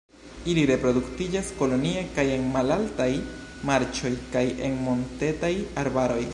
Ili reproduktiĝas kolonie kaj en malaltaj marĉoj kaj en montetaj arbaroj.